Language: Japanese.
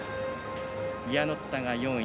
イアノッタが４位。